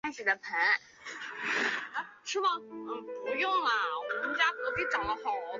达斯奇决定到华盛顿特区的联邦调查局总部自首。